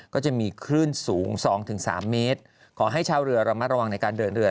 ก็จะมีคลื่นสูงสองถึงสามเมตรขอให้ชาวเรือเรามาระวังในการเดินเรือ